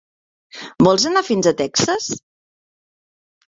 Vols anar fins a Texas?